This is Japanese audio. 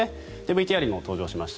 ＶＴＲにも登場しました